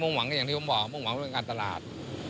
ต้นทั่วตอนนี้อยู่ที่ไหนอ่ะครับ